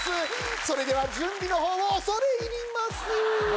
それでは準備の方を恐れ入ります